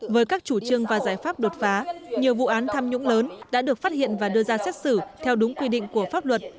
với các chủ trương và giải pháp đột phá nhiều vụ án tham nhũng lớn đã được phát hiện và đưa ra xét xử theo đúng quy định của pháp luật